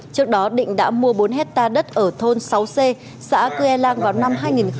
trước đó định đã mua bốn hectare đất ở thôn sáu c xã cư e lang vào năm hai nghìn một mươi bảy